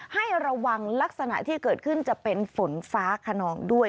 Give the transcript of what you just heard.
ให้ระวังลักษณะที่เกิดขึ้นจะเป็นฝนฟ้าขนองด้วย